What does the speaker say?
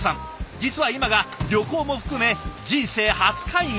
実は今が旅行も含め人生初海外。